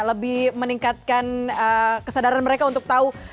lebih meningkatkan kesadaran mereka untuk tahu